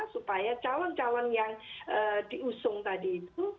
supaya calon calon yang diusung tadi itu